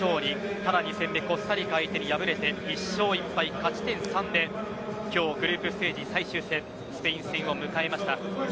さらに２戦目コスタリカ相手に敗れて１勝１敗、勝ち点３で今日、グループステージ最終戦スペイン戦を迎えました。